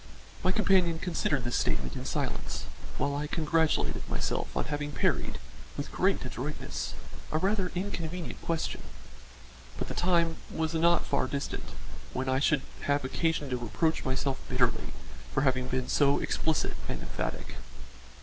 My companion considered this statement in silence while I congratulated myself on having parried, with great adroitness, a rather inconvenient question. But the time was not far distant when I should have occasion to reproach myself bitterly for having been so explicit and emphatic.